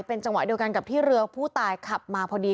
เป็นจังหวะเดียวกันกับที่เรือผู้ตายขับมาพอดี